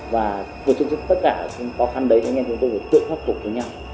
và tất cả những khó khăn đấy chúng tôi phải tự phát phục với nhau